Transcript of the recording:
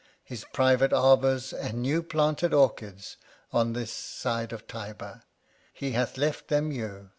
His private arbours, and new planted orchards, On this side Tiber : he hath left them you.